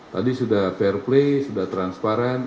tadi sudah fair play sudah transparan